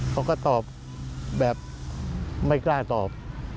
เขาก็ตอบแบบไม่กล้าตอบ